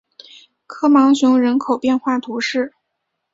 科芒雄人口变化图示